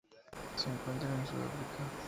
Se encuentran en Sudáfrica.